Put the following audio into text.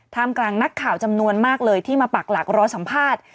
กำลังนักข่าวจำนวนมากเลยที่มาปักหลักรอสัมภาษณ์